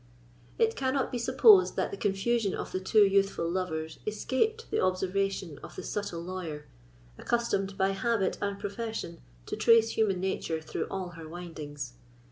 It cannot be supposed that the confusion of the two youthful lovers escaped the observation of the subtle lawyer, accustomed, by habit and profession, to trace human nature through all her windings.